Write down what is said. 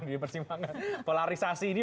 di persimpangan polarisasi ini